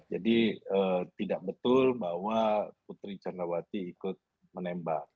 jadi tidak betul bahwa putri candrawati ikut menembak